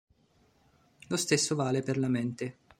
Lo stesso vale per la mente.